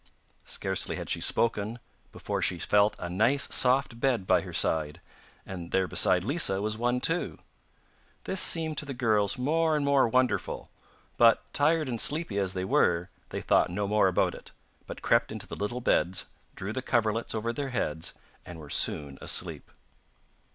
Scarcely had she spoken before she felt a nice soft bed by her side, and there beside Lisa was one too. This seemed to the girls more and more wonderful, but tired and sleepy as they were, they thought no more about it, but crept into the little beds, drew the coverlets over their heads and were soon asleep.